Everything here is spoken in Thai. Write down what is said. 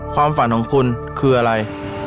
ความฝันของคุณคืออะไร